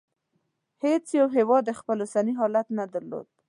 هېڅ یو هېواد خپل اوسنی حالت نه درلود.